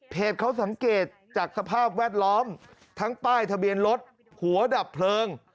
เขาสังเกตจากสภาพแวดล้อมทั้งป้ายทะเบียนรถหัวดับเพลิง